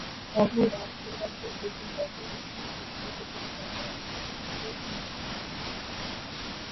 তখন ডাব্লিউডাব্লিউএফ এর কঠোর নীতি ছিল কুস্তিগীর দের প্রতি যেনো তারা কোনোভাবেই স্ক্রিপ্ট ভঙ্গ না করে।